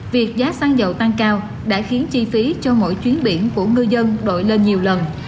việc giá xăng dầu tăng cao đã khiến chi phí cho mỗi chuyến biển của ngư dân đội lên nhiều lần